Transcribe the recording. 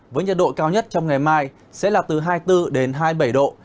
với nhiệt độ cao nhất trong ngày mai sẽ là từ hai mươi bốn đến hai mươi bảy độ